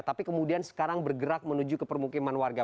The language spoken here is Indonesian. tapi kemudian sekarang bergerak menuju ke permukiman warga